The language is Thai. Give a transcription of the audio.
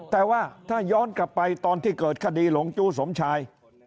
แต่ว่าถ้าย้อนกลับไปตอนที่เกิดคดีหลงจู้สมชาย